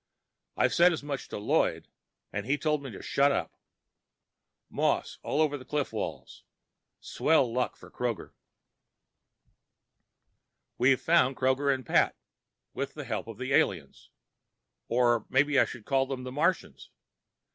I said as much to Lloyd and he told me to shut up. Moss all over the cliff walls. Swell luck for Kroger. We've found Kroger and Pat, with the help of the aliens. Or maybe I should call them the Martians.